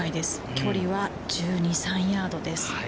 距離は１２１３ヤードです。